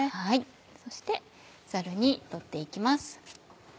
そしてざるに取って行きます。